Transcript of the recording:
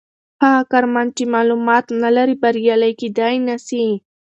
هغه کارمند چې معلومات نلري بریالی کیدای نسي.